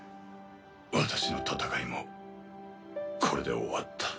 私の戦いもこれで終わった。